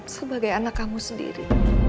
sebagai anak kamu sendiri